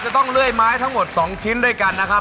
จะต้องเลื่อยไม้ทั้งหมด๒ชิ้นด้วยกันนะครับ